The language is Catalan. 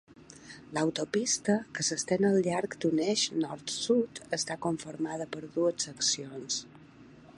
L'autopista, que s'estén al llarg d'un eix nord-sud, està conformada per dues seccions.